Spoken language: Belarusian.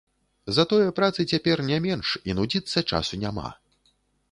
Затое працы цяпер не менш і нудзіцца часу няма.